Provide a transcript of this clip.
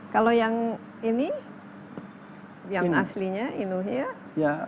kalau yang ini yang aslinya inulnya